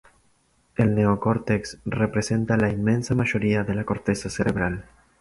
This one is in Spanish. El neocórtex representa la inmensa mayoría de la corteza cerebral.